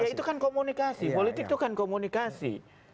ya itu kan komunikasi politik itu kan komunikasi